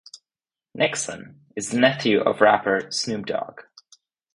Nixon is the nephew of rapper Snoop Dogg.